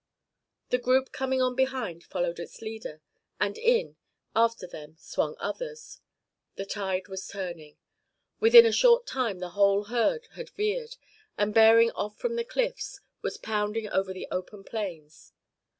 The group coming on behind followed its leader, and in, after them, swung others. The tide was turning. Within a short time the whole herd had veered, and, bearing off from the cliffs, was pounding over the open plains.